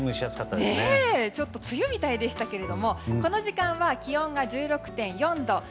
ちょっと梅雨みたいでしたけどもこの時間は気温が１６．４度。